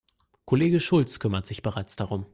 Kollege Schulz kümmert sich bereits darum.